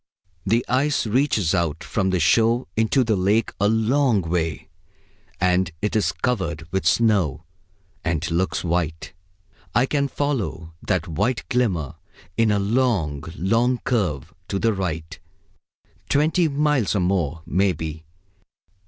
The ice reaches out from the shore into the lake a long way; and it is covered with snow, and looks white. I can follow that white glimmer in a long, long curve to the right twenty miles or more, maybe.